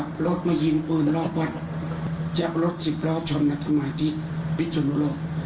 พออื่นรอบวัดจะรถสิบล้อชมนาธิมาที่พิสุนุโลก